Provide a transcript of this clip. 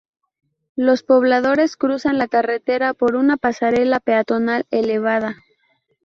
Los pobladores cruzan la carretera por una pasarela peatonal elevada.